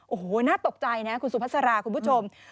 โอ้โหน่าตกใจนะคุณสุภาษาราคุณผู้ชม